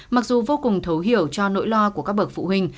mặc dù vô cùng thấu hiểu cho nỗi lo của các bậc phụ huynh